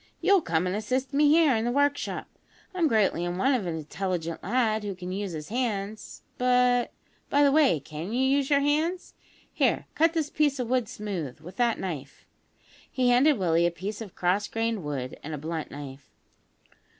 You'll come and assist me here in the workshop. I'm greatly in want of an intelligent lad who can use his hands; but, by the way, can you use your hands? Here, cut this piece of wood smooth, with that knife." He handed Willie a piece of cross grained wood and a blunt knife.